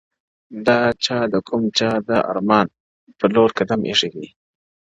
دا چا د کوم چا د ارمان _ پر لور قدم ايښی دی _